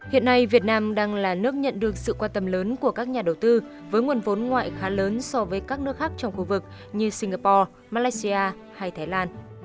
hiện nay việt nam đang là nước nhận được sự quan tâm lớn của các nhà đầu tư với nguồn vốn ngoại khá lớn so với các nước khác trong khu vực như singapore malaysia hay thái lan